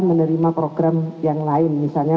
menerima program yang lain misalnya